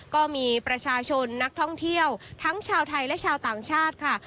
ก็มีประชาชนนักท่องเที่ยวทั้งชาวไทยและชาวต่างชาติค่ะ